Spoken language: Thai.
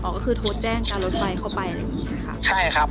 ก็คือโทรแจ้งการรถไฟเข้าไปอะไรอย่างงี้ใช่ไหมคะใช่ครับ